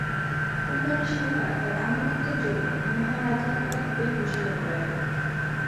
Company সরকার তার আনুগত্যের জন্য মহারাজা উপাধিতে ভূষিত করেন।